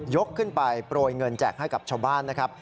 ขึ้นไปโปรยเงินแจกให้กับชาวบ้านนะครับ